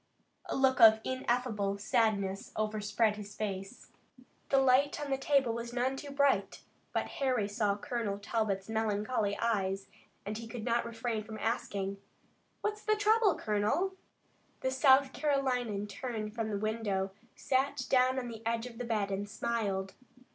A look of ineffable sadness overspread his face. The light on the table was none too bright, but Harry saw Colonel Talbot's melancholy eyes, and he could not refrain from asking: "What's the trouble, colonel?" The South Carolinian turned from the window, sat down on the edge of the bed and smiled.